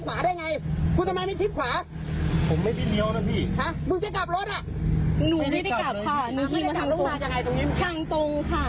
ข้างตรงค่ะนุ้งมาจากขอนแก่นค่ะ